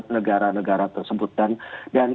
negara negara tersebut dan